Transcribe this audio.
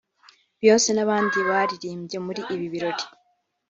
Beyonce n’abandi baririmbye muri ibi birori